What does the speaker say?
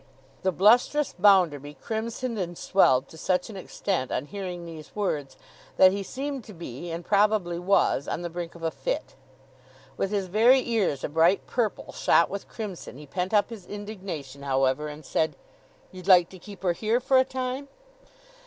The blustrous Bounderby crimsoned and swelled to such an extent on hearing these words, that he seemed to be, and probably was, on the brink of a fit. With his very ears a bright purple shot with crimson, he pent up his indignation, however, and said: 'You'd like to keep her here for a time?